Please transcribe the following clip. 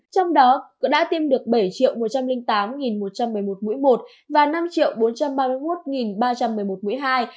trong đó đã tiêm được bảy một trăm linh tám một trăm một mươi một mũi một và năm bốn trăm ba mươi một ba trăm một mươi một mũi hai